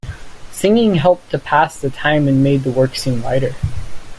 Singing helped to pass the time and made the work seem lighter.